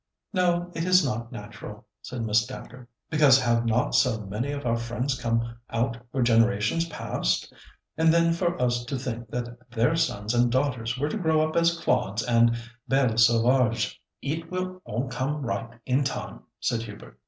"No, it is not natural," said Miss Dacre; "because have not so many of our friends come out for generations past? And then for us to think that their sons and daughters were to grow up as clods and belles sauvages!" "It will all come right in time," said Hubert.